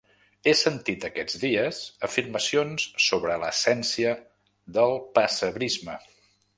He sentit aquests dies afirmacions sobre l’essència del pessebrisme.